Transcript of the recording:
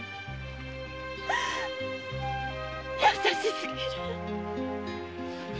優しすぎる。